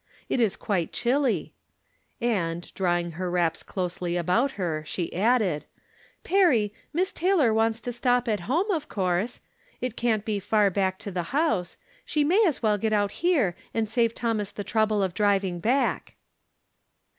It is quite chilly." And, drawing her wraps closely about her, she added :" Perry, Miss Taylor wants to stop at home, of course. It can't be far back to the house. She may as well get out here, and save Thomas the trouble of driving back."